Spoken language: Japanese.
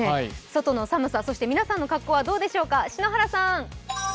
外の寒さ、そして皆さんの格好はどうでしょうか。